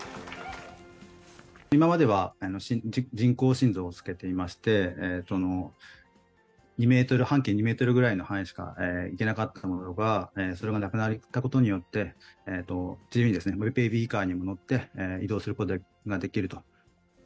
今までは人工心臓をつけていまして、２メートル、半径２メートルくらいの範囲しか行けなかったものが、それがなくなったことによって、自由にベビーカーにも乗って移動することができると。